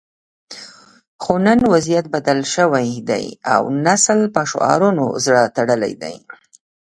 خو نن وضعیت بدل شوی دی او نسل په شعارونو زړه تړلی دی